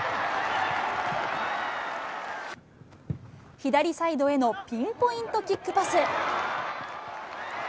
左サイドへのピンポイントキックパス。